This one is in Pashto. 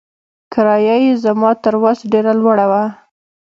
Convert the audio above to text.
کرايه يې زما تر وس ډېره لوړه وه.